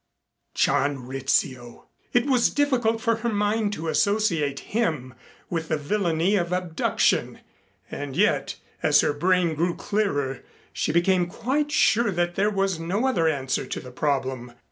John Rizzio! It was difficult for her mind to associate him with the villainy of abduction. And yet, as her brain grew clearer, she became quite sure that there was no other answer to the problem.